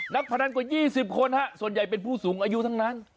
พนันกว่า๒๐คนส่วนใหญ่เป็นผู้สูงอายุทั้งนั้น